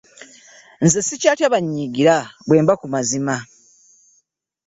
Nze ssikyatya bannyiigira bwe mba ku mazima.